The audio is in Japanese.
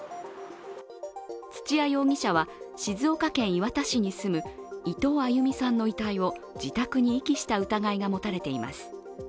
土屋容疑者は静岡県磐田市に住む伊藤亜佑美さんの遺体を自宅に遺棄した疑いが持たれています。